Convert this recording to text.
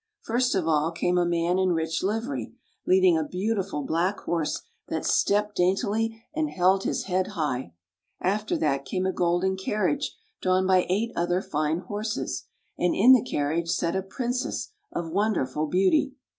First of all came a man in rich livery, leading a beautiful black horse that stepped [ 96 ] THE TORTOISE SHELL CAT daintily and held his head high. After that came a golden carriage drawn by eight other fine horses, and in the carriage sat a Prin cess of wonderful beauty.